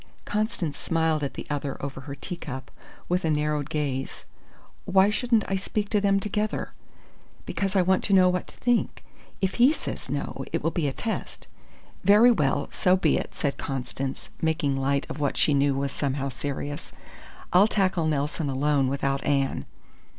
Constance smiled at the other over her teacup, with a narrowed gaze. "Why shouldn't I speak to them together?" "Because I want to know what to think. If he says no, it will be a test." "Very well, so be it!" said Constance, making light of what she knew was somehow serious. "I'll tackle Nelson alone without Anne."